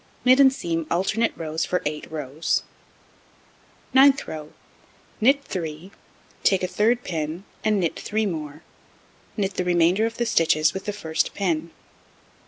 Knit and seam alternate rows for 8 rows. Ninth row: Knit 3, take a third pin, and knit 3 more, knit the remainder of the stitches with the first pin.